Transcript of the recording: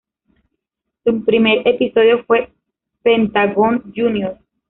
Su primer episodio fue Pentagón Jr.